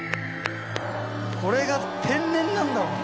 これが天然なんだもんな。